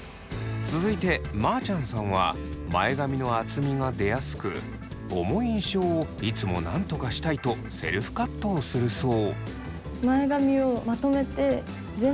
続いてまーちゃんさんは前髪の厚みが出やすく重い印象をいつもなんとかしたいとセルフカットをするそう。